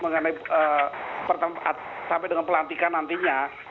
mengenai sampai dengan pelantikan nantinya